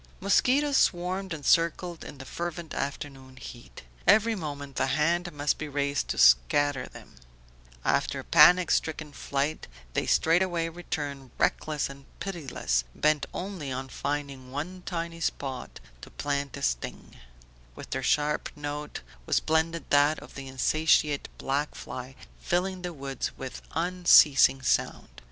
Mosquitos swarmed and circled in the fervent afternoon heat. Every moment the hand must be raised to scatter them; after a panic stricken flight they straightway returned, reckless and pitiless, bent only on finding one tiny spot to plant a sting; with their sharp note was blended that of the insatiate black fly, filling the woods with unceasing sound.